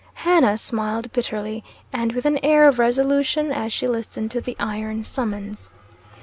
Hannah smiled bitterly, and with an air of resolution, as she listened to the iron summons.